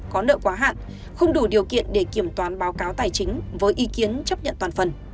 có nợ quá hạn không đủ điều kiện để kiểm toán báo cáo tài chính với ý kiến chấp nhận toàn phần